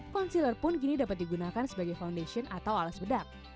conseller pun kini dapat digunakan sebagai foundation atau alas bedak